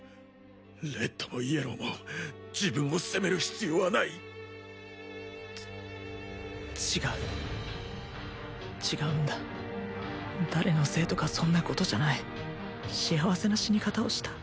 レッドもイエローも自分を責める必要はないち違う違うんだ誰のせいとかそんなことじゃない幸せな死に方をした？